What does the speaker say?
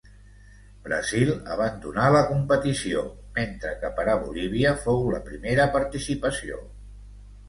Brasil abandonà la competició, mentre que per a Bolívia fou la primera participació.